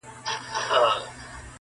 د جانان چي په کوم لاره تله راتله وي-